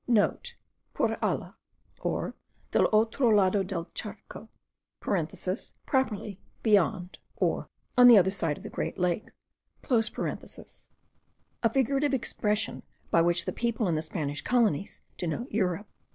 (* 'Por alla,' or, 'del otro lado del charco,' (properly 'beyond,' or 'on the other side of the great lake'), a figurative expression, by which the people in the Spanish colonies denote Europe.)